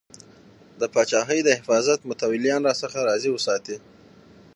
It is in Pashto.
د پاچاهۍ د حفاظت متولیان راڅخه راضي وساتې.